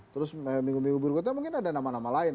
terus minggu minggu berikutnya mungkin ada nama nama lain